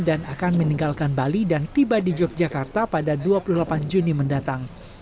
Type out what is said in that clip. dan akan meninggalkan bali dan tiba di yogyakarta pada dua puluh delapan juni mendatang